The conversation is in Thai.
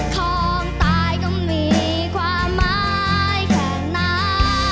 ของตายก็มีความหมายแค่นั้น